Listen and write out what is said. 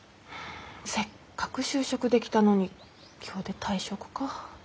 せっかく就職できたのに今日で退職か。